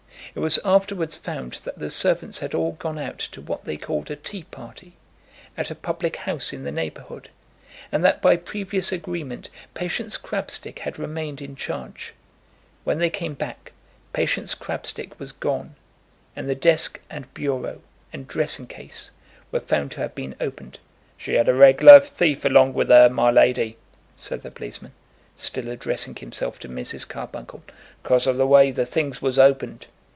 It was afterwards found that the servants had all gone out to what they called a tea party, at a public house in the neighbourhood, and that by previous agreement Patience Crabstick had remained in charge. When they came back Patience Crabstick was gone, and the desk, and bureau, and dressing case, were found to have been opened. "She had a reg'lar thief along with her, my lady," said the policeman, still addressing himself to Mrs. Carbuncle, "'cause of the way the things was opened."